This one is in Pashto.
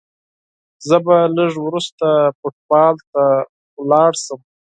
زه به لږ وروسته فوټبال ته ولاړ سم.